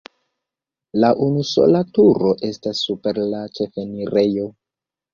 La unusola turo estas super la ĉefenirejo.